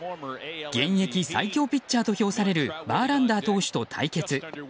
現役最強ピッチャーと評されるバーランダー選手と対決。